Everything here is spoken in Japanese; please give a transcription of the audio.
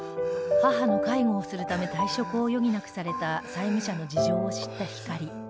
母の介護をするため退職を余儀なくされた債務者の事情を知ったひかり